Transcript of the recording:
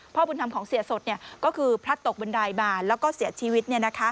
บุญธรรมของเสียสดก็คือพลัดตกบันไดบานแล้วก็เสียชีวิต